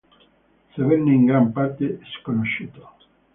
Sebbene in gran parte sconosciuto.